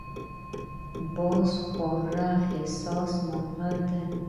باز خورا حساس مرغه دی